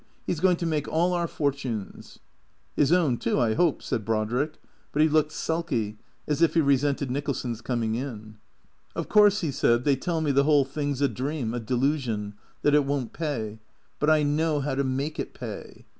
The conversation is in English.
" He 's going to make all our fortunes/' " His own, too, I hope," said Brodrick. But he looked sulky, as if he resented Nicholson's coming in. " Of course," he said, " they tell me the whole thing 's a dream, a delusion, that it won't pay. But I know how to make it pay.